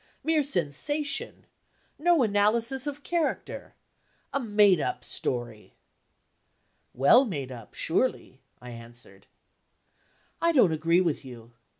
"Mere sensation. No analysis of character. A made up story!" "Well made up, surely?" I answered. "I don't agree with you."